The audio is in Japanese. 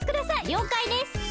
りょうかいです！